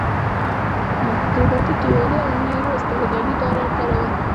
کیریباټی، ټیوالو او نیرو اسټرالیایي ډالر کاروي.